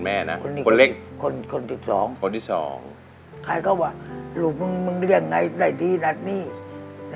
พาพาพอแล้วมันทำมานุ่งกุดนุ่งอย่างนี้ก็นุ่งกุดมันเนี่ย